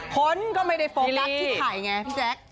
คนก็ไม่ได้โฟกัสที่ไข่ไงพี่แจ๊ค